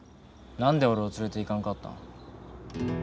なんで俺を連れて行かんかったん。